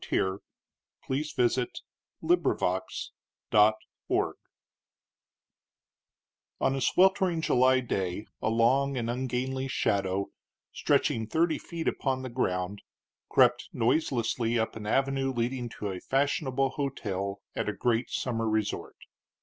The Hero of the Plague I On a sweltering July day a long and ungainly shadow, stretching thirty feet upon the ground, crept noiselessly up an avenue leading to a fashionable hotel at a great summer resort.